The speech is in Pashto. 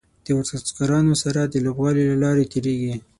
د ورزشکارانو سره د لوبغالي له لارې تیریږي.